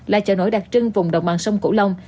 là chợ nổi đặc trưng vùng đồng bằng sông củ lông